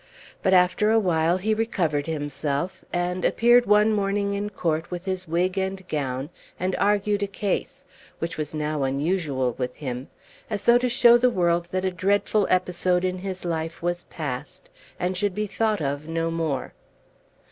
But after awhile he recovered himself, and appeared one morning in court with his wig and gown, and argued a case, which was now unusual with him, as though to show the world that a dreadful episode in his life was passed, and should be thought of no more.